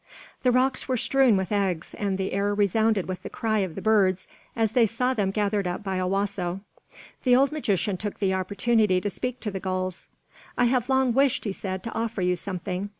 The rocks were strewn with eggs, and the air resounded with the cry of the birds as they saw them gathered up by Owasso. The old magician took the opportunity to speak to the gulls. "I have long wished," he said, "to offer you something.